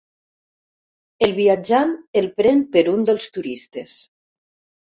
El viatjant el pren per un dels turistes.